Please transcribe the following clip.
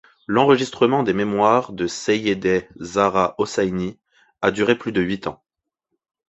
L’enregistrement des mémoires de Seyyedeh Zahrâ Hosseini a duré plus de huit ans.